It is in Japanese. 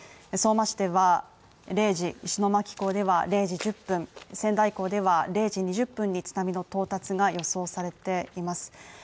相馬市では０時、石巻港では０時１０分、仙台港では０時２０分に津波の到達が予想されています。